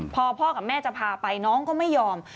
พอพ่อกับแม่จะพาไปน้องก็ไม่ยอม